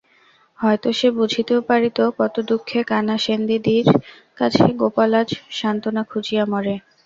হয়তো সে বুঝিতেও পারিত কত দুঃখে কানা সেনদিদির কাছে গোপাল আজ সাস্তুনা খুঁজিয়া মরে।